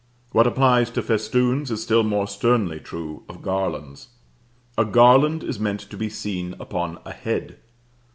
What applies to festoons is still more sternly true of garlands. A garland is meant to be seen upon a head.